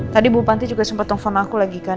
tadi bu panti juga sempet telfon aku lagi kan